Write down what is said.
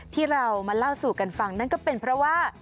ที่เรามาเล่าสู่กันฟังนั่นก็เป็นเพราะว่า